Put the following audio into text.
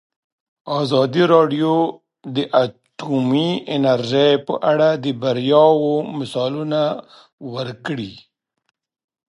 ازادي راډیو د اټومي انرژي په اړه د بریاوو مثالونه ورکړي.